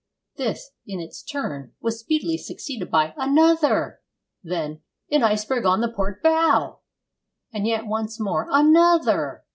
This, in its turn, was speedily succeeded by 'Another!' Then, 'An iceberg on the port bow!' And yet once more 'Another!'